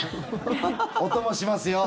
お供しますよ。